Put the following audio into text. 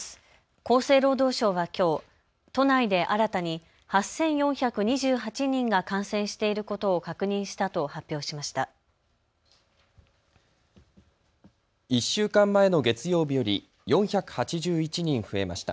厚生労働省はきょう都内で新たに８４２８人が感染していることを確認したと発表しました。